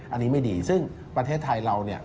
อันนี้ไม่ดีซึ่งประเทศไทยเราเนี่ย